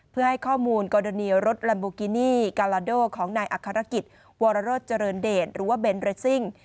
เพื่อให้ข้อมูลกรณีรถลัมโบกินี่กาลาโดของนายอัครกิจวรโรธเจริญเดชหรือว่าเบนเรสซิ่ง